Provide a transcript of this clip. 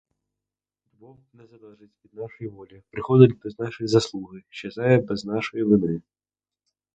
Любов не залежить від нашої волі, приходить без нашої заслуги, щезає без нашої вини.